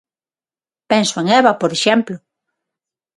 Penso en Eva, por exemplo.